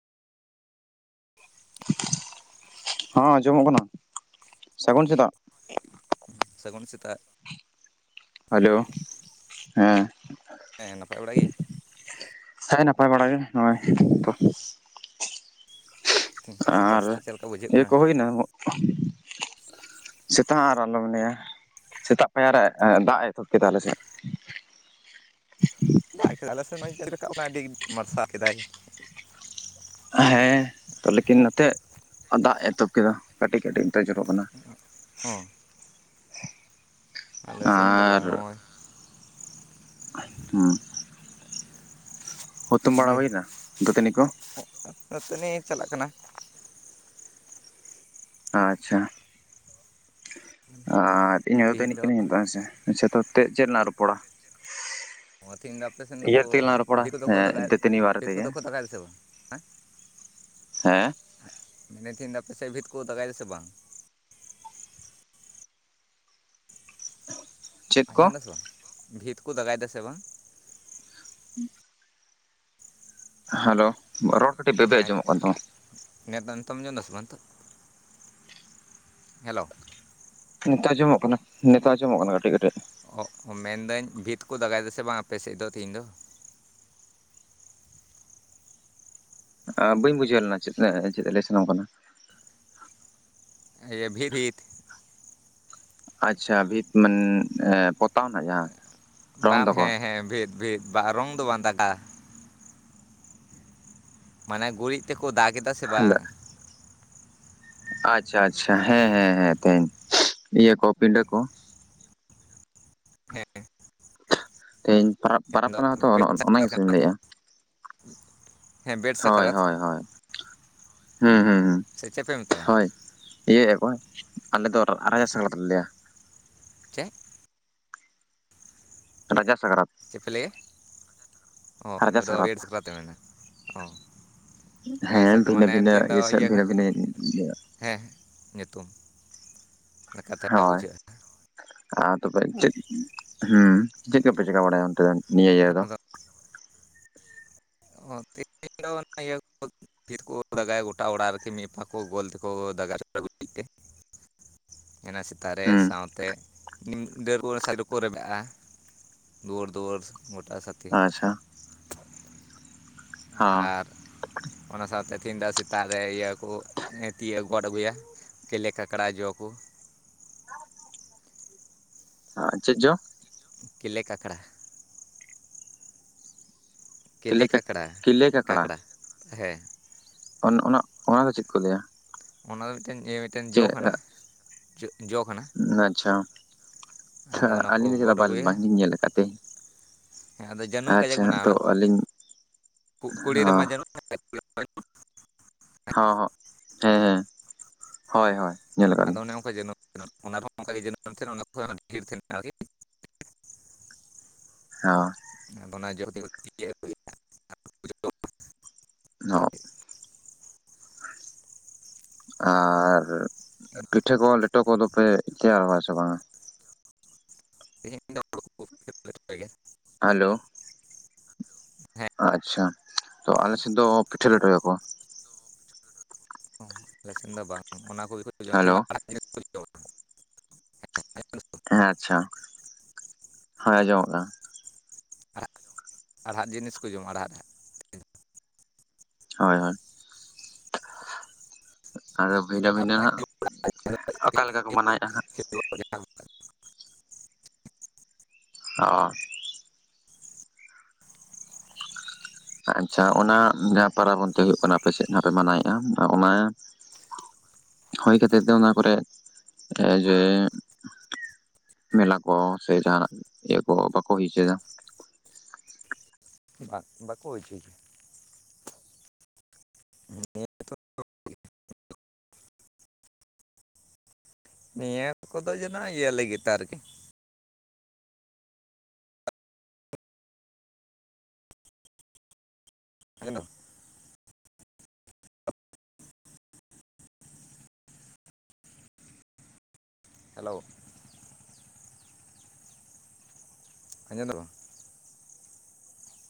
ᱦᱮᱸ ᱟᱸᱡᱚᱢᱚᱜ ᱠᱟᱱᱟ᱾ ᱥᱟᱹᱜᱩᱱ ᱥᱮᱫᱟᱜ ᱦᱚ ᱥᱟᱹᱜᱩᱱ ᱥᱮᱛᱟᱜ ᱦᱮᱞᱳ ᱦᱮᱸ ᱦᱮᱸ ᱱᱟᱯᱟᱭ ᱵᱟᱲᱟ ᱜᱮ ᱦᱮᱸ ᱱᱟᱯᱟᱭ ᱵᱟᱲᱟ ᱜᱮ ᱱᱚᱜᱼᱚᱭ ᱛᱚ ᱥᱮᱛᱟᱜ ᱟᱨ ᱥᱮᱛᱟᱜ ᱪᱮᱫ ᱞᱮᱠᱟ ᱵᱩᱡᱷᱟᱹᱜ ᱤᱭᱟᱹ ᱠᱟᱱᱟ? ᱠᱚ ᱦᱩᱭᱱᱟ ᱥᱮᱛ ᱟᱨ ᱟᱞᱚᱢ ᱢᱮᱱᱟᱮᱭᱟ ᱥᱮᱛᱟᱜ ᱯᱟᱭᱟᱨᱮ ᱫᱟᱜ ᱮ ᱛᱷᱚᱵ ᱠᱮᱫ ᱛᱟᱦᱚᱞᱮ ᱥᱮ ᱫᱟᱜ ᱠᱮᱫᱟᱭ ᱟᱞᱮ ᱥᱮ ᱪ ᱴᱮ ᱨᱟᱠᱟᱵ ᱠᱟᱱᱟ ᱟᱹᱰᱤ ᱢᱟᱨᱥᱟᱞ ᱠᱮᱫᱟᱭ᱾ ᱦᱮᱸ ᱛᱚ ᱞᱮᱠᱤᱱ ᱱᱚᱛᱮ ᱫᱟᱜ ᱮᱛᱚᱦᱚᱵ ᱠᱮᱫᱟ ᱠᱟᱹᱴᱤᱡ ᱠᱟᱹᱴᱤᱡᱛᱮ ᱡᱚᱨᱚᱜ ᱠᱟᱱᱟ᱾ ᱦᱚᱸ ᱟᱞᱮ ᱥᱮᱱ ᱫᱚ ᱟᱨ ᱵᱟᱝ ᱱᱚᱜᱼᱚᱭ ᱦᱩᱸ ᱦᱩᱛᱩᱢ ᱵᱟᱲᱟ ᱦᱩᱭᱱᱟ ᱫᱟᱹᱛᱟᱹᱱᱤ ᱠᱚ ᱡᱚ ᱱᱚᱛᱮ ᱱᱤᱡ ᱪᱟᱞᱟᱜ ᱠᱟᱱᱟ ᱟᱪᱪᱷᱟ ᱟ ᱤᱧ ᱛᱤᱦᱤᱧ ᱫᱟᱹᱛᱟᱹᱱᱤᱜ ᱫᱚ ᱠᱟᱹᱱᱟᱹᱧ ᱱᱤᱛᱳᱜ ᱦᱮᱸᱥ ᱟᱪᱪᱷᱟ ᱛᱚᱮᱫ ᱪᱮᱫ ᱨᱮᱱᱟᱜ ᱨᱚᱯᱚᱲᱟ ᱚ ᱛᱮᱦᱤᱧ ᱫᱚ ᱟᱯᱮ ᱥᱮᱮᱱ ᱫᱚᱠᱚ ᱤᱭᱟᱹ ᱛᱮᱜᱮ ᱞᱟᱝ ᱨᱚᱯᱚᱲᱟ ᱵᱷᱤᱛ ᱠᱚᱫᱚ ᱠᱚ ᱦᱮᱸ ᱫᱟᱜᱟᱭᱫᱟ ᱫᱟᱹᱛᱟᱹᱱᱤ ᱵᱟᱨᱮ ᱵᱷᱤᱛ ᱛᱮᱜᱮ ᱠᱚᱫᱚ ᱠᱚ ᱫᱟᱜᱟᱭᱫᱟ ᱥᱮ ᱵᱟᱝ ᱦᱮᱸ ᱦᱮᱸ ᱢᱮᱱᱮᱫ ᱛᱟᱦᱮᱱ ᱫᱚ ᱟᱯ ᱥᱮᱫ ᱵᱷᱤᱛ ᱠᱚ ᱫᱟᱜᱟᱭᱮᱫᱟᱥᱮ ᱵᱟᱝ ᱪᱮᱫ ᱠᱚ ᱟᱸᱡᱚᱢ ᱫᱟᱥᱮ ᱵᱟᱝ ᱵᱷᱤᱛ ᱠᱚ ᱫᱟᱜᱟᱭ ᱫᱟᱥᱮ ᱵᱟᱝ [inaudible] ᱦᱮᱞᱳ ᱨᱚᱲ ᱠᱟᱹᱴᱤᱡ ᱵᱮᱵᱮ ᱟᱸᱡᱚᱢᱚᱜ ᱠᱟᱱ ᱛᱟᱢᱟ? ᱱᱮᱛ ᱫᱚ ᱱᱤᱛᱚᱢ ᱡᱚᱱ ᱫᱚ ᱥᱮ ᱵᱟᱝ ᱛᱚ ᱦᱮᱞᱳ ᱱᱮᱛᱚᱜ ᱟᱸᱡᱚᱢᱚᱜ ᱠᱟᱱᱟ ᱱᱮᱛᱚᱜ ᱟᱸᱡᱚᱢᱚᱜ ᱠᱟᱱᱟ ᱠᱟᱹᱴᱤᱡ ᱠᱟᱹᱴᱤᱡ ᱚ ᱢᱮᱱᱫᱟᱹᱧ ᱵᱷᱤᱛ ᱠᱚ ᱫᱟᱜᱟᱭ ᱫᱟᱥᱮ ᱵᱟᱝ ᱟᱯᱮ ᱥᱮᱫ ᱫᱚ ᱛᱮᱤᱦᱤᱧ ᱫᱚ ᱵᱟᱹᱧ ᱵᱩᱡᱷᱟᱹᱣ ᱞᱮᱱᱟ ᱪᱮᱥᱞᱮ ᱪᱮᱫ ᱞᱮ ᱥᱟᱱᱟᱢ ᱠᱟᱱᱟ᱾ ᱤᱭᱟᱹ ᱵᱷᱤᱨᱤᱛ ᱟᱪᱪᱷᱟ ᱵᱷᱤᱛ ᱢᱟᱱ ᱯᱚᱛᱟᱣᱱᱟ ᱡᱟᱦᱟᱸ ᱨᱚᱝ ᱵᱟᱝ ᱫᱚᱠᱚ ᱦᱮᱸ ᱦᱮᱸ ᱵᱷᱤᱛ ᱵᱷᱤᱛ ᱵᱟᱝ ᱨᱚᱝ ᱫᱚ ᱵᱟᱝ ᱫᱟᱜᱼᱟ ᱢᱟᱱᱮ ᱜᱩᱨᱤᱡ ᱛᱮᱠᱚ ᱫᱟᱜ ᱮᱫᱟ ᱥᱮ ᱵᱟᱝ ᱟᱪᱪᱷᱟ ᱟᱪᱪᱷᱟ ᱦᱮᱸ ᱦᱮᱸ ᱛᱮᱦᱧ ᱤᱭᱟᱹ ᱠᱚ ᱯᱤᱰᱟᱹ ᱠᱚ ᱦᱮᱸ ᱛᱮᱦᱮᱧ ᱯ ᱯᱚᱨᱟᱽ ᱫᱚ ᱠᱟᱱᱟ ᱦᱚᱸᱛᱚ ᱵᱮᱰ ᱥᱟᱠᱨᱟᱛ ᱚᱱᱟᱱᱟᱜᱤᱪᱩᱧ ᱠᱟᱱᱟ ᱛᱚ ᱞᱟᱹᱭᱮᱜᱼᱟ ᱦᱮᱸ ᱵᱮᱰ ᱦᱳᱭ ᱥᱟᱠᱨᱟᱛ ᱦᱳᱭ ᱦᱳᱭ ᱦᱮᱸ ᱦᱮᱸ ᱥᱮ ᱪᱮᱫ ᱯᱮ ᱢᱮᱛᱟᱜᱼᱟ ᱚᱠᱚᱭ ᱟᱞᱮ ᱫᱚ [unintelligible] ᱞᱮᱮᱭᱟ ᱪᱮᱫ ᱨᱟᱪᱟᱥ ᱪᱮᱫ ᱯᱮ ᱞᱟᱹᱭᱭᱟ [unintelligible] ᱥᱟᱠᱨᱟᱛ ᱢᱮᱱᱟ ᱟ ᱦᱮᱸ ᱵᱷᱤᱱᱟᱹ ᱵᱷᱤᱱᱟᱹ ᱤᱭᱟᱹ ᱥᱮᱮᱫ ᱵᱷᱤᱱᱟᱹ ᱵᱷᱤᱱᱟᱹ ᱤᱭᱟᱹ ᱦᱮᱸ ᱧᱩᱛᱩᱢ ᱞᱮᱠᱟᱛᱮ ᱦᱳᱭ ᱵᱩᱡᱷᱟᱹᱜᱼᱟ ᱟᱨ ᱛᱚᱵᱮ ᱪᱮᱫ ᱦᱮᱸ ᱪᱮᱫ ᱠᱚᱯᱮ ᱪᱤᱠᱠᱟ ᱵᱟᱲᱟᱭᱟ ᱚᱱᱛᱮ ᱫᱚ ᱱᱤᱭᱟᱹ ᱤᱭᱟᱹ ᱨᱮᱫᱚ ᱚ ᱛᱮᱦᱮᱧ ᱫᱚ ᱤᱭᱟᱹ [unintelligible] ᱜᱚᱴᱟ ᱚᱲᱟᱜ ᱟᱨᱠᱤ ᱢᱤᱫ ᱠᱚ ᱜᱳᱞ ᱛᱮᱠᱚ [unintelligible] [inaudible] ᱚᱱᱟ ᱥᱮᱛᱟᱜ ᱨᱮ ᱦᱩᱸ ᱥᱟᱶᱛᱮ ᱱᱤᱢ ᱰᱟᱹᱨ ᱠᱚ ᱥᱟᱭᱰ ᱨᱮᱠᱚ ᱨᱮᱵᱮᱜᱼᱟ ᱫᱩᱣᱟᱹᱲ ᱫᱩᱣᱟᱹᱨ ᱜᱚᱴᱟ ᱥᱟᱛᱷᱤ ᱟᱪᱪᱷᱟ ᱦᱚᱸ ᱟᱨ ᱚᱱᱟ ᱥᱟᱶᱛᱮ [unintelligible] ᱥᱮᱛᱟᱜ ᱨᱮ ᱤᱭᱟᱹ ᱠᱚ [unintelligible] ᱛᱤᱭᱳᱜ ᱜᱚᱫ ᱟᱹᱜᱩᱭᱟ ᱠᱮᱞᱮ ᱠᱟᱠᱲᱟ ᱡᱚ ᱠᱚ [unintelligible] ᱦᱟᱸ ᱪᱮᱫ ᱡᱚ ᱠᱮᱞᱮ ᱠᱟᱠᱲᱟ ᱠᱮᱞᱮ ᱠᱤᱞᱮ ᱠᱟᱠᱲᱟ ᱠᱟᱠᱲᱟ ᱦᱮᱸ ᱚᱱᱟ ᱚᱱᱟᱫᱚ ᱪᱮᱫ ᱠᱚ ᱞᱟᱹᱭᱟ ᱚᱱᱟ ᱫᱚ ᱢᱤᱫᱴᱮᱱᱤᱭᱟᱹ ᱢᱤᱫᱴᱮᱱ ᱡᱚ ᱪᱮᱫ ᱠᱟᱱᱟ ᱡᱚ ᱠᱟᱱᱟ ᱟᱪᱪᱷᱟ ᱟᱫᱚ ᱚᱱᱟ ᱠᱚ ᱟᱹᱞᱤᱧ ᱫᱚ ᱪᱮᱫ ᱜᱚᱫ ᱟᱹᱜᱩᱭᱟ ᱵᱟᱝᱞᱤᱧ ᱧᱮᱞ ᱟᱠᱟᱫ ᱛᱮ ᱦᱮᱸ ᱟᱫᱚ ᱡᱟᱹᱱᱩᱢ ᱠᱟᱡᱟᱠ ᱟᱪᱪᱷᱟ ᱢᱮᱱᱟᱜ ᱛᱚ ᱟ ᱟᱹᱞᱤᱧ ᱠᱩ ᱠᱩᱲᱤ ᱨᱮᱢᱟ ᱦᱚᱸ ᱡᱟᱹᱱᱩᱢ [unintelligible] ᱦ ᱦ ᱦᱮᱸ ᱦᱮᱸ ᱦᱳᱭ ᱦᱳᱭ ᱧᱮᱞ ᱟᱠᱟᱫ ᱞᱤᱧ ᱟᱫᱚ ᱚᱱᱮ [unintelligible] ᱦ ᱟᱫᱚ ᱚᱱᱟ ᱡᱚ [unintelligible] ᱦᱚᱸ ᱟᱨ ᱯᱤᱴᱷᱟᱹ ᱠᱚ ᱞᱮᱴᱚ ᱠᱚᱫᱚᱯᱮ ᱛᱮᱭᱟᱨᱟ ᱥᱮ ᱵᱟᱝᱟ [unintelligible] ᱦᱮᱞᱳ ᱦᱮᱸ ᱟᱪᱪᱷᱟ ᱛᱚ ᱟᱞᱮ ᱥᱮᱫ ᱫᱚ ᱯᱤᱴᱷᱟᱹ ᱞᱮᱴᱚᱭᱟᱠᱚ ᱟᱞᱮ ᱥᱮᱱ ᱫᱚ ᱵᱟᱝ ᱦᱮᱞᱳ [unintelligible] ᱦᱮᱸ ᱟᱪᱪᱷᱟ ᱦᱮᱸ ᱟᱸᱡᱚᱢᱚᱜ ᱠᱟᱱᱟ ᱟᱲᱦᱟᱜ ᱡᱤᱱᱤᱥ ᱠᱚ ᱡᱚᱢᱟ ᱟᱟᱲᱦᱟᱜ [unintelligible] ᱦᱳᱭ ᱦᱳᱭ ᱟᱫᱚ ᱵᱷᱤᱱᱟᱹ ᱵᱷᱤᱱᱟᱹ ᱦᱟᱸᱜ ᱚᱠᱟᱮ ᱞᱮᱠᱟ ᱠᱚ ᱢᱟᱱᱟᱣᱮᱫᱼᱟ ᱦᱟᱸᱜ ᱦ ᱟᱪᱪᱷᱟ ᱚᱱᱟ ᱡᱟᱦᱟᱸ ᱯᱚᱨᱟᱵᱽ ᱚᱱᱛᱮ ᱦᱩᱭᱩᱜ ᱠᱟᱱᱟ ᱟᱯᱮ ᱥᱮᱫ ᱡᱟᱦᱟᱸ ᱯᱮ ᱢᱟᱱᱟᱣᱮᱫᱼᱟ ᱚᱱᱟ ᱦᱩᱭ ᱠᱷᱟᱹᱛᱤᱨ ᱛᱮ ᱚᱱᱟ ᱠᱚᱨᱮᱜ ᱡᱮ ᱢᱮᱞᱟ ᱠᱚ ᱥᱮ ᱡᱟᱦᱟᱱᱟᱜ ᱤᱭᱟᱹ ᱠᱚ ᱵᱟᱠᱚ ᱦᱩᱭᱪᱚᱭᱮᱫᱟ ᱵᱟᱝ ᱵᱟᱠᱚ ᱦᱩᱭᱪᱚᱭᱮᱫᱭᱟ ᱱ [unintelligible] ᱱᱤᱭᱟᱹ ᱠᱚᱫᱚ ᱡᱮᱱᱚ ᱤᱭᱟᱹ ᱞᱟᱹᱜᱤᱫ ᱛᱮ ᱟᱨᱠᱤ ᱦᱮᱞᱳ ᱦᱮᱞᱳ ᱟᱸᱡᱚᱢᱫᱟ ᱵᱟᱝ